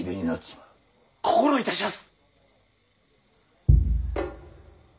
心いたしやす！